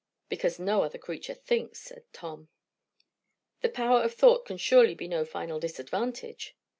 "Because no other creature thinks," said Tom. "The power of thought can surely be no final disadvantage."